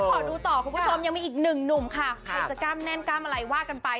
ขอดูต่อคุณผู้ชมยังมีอีกหนึ่งหนุ่มค่ะใครจะกล้ามแน่นกล้ามอะไรว่ากันไป